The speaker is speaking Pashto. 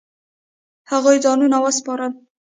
هغوی ځانونه وسپارل.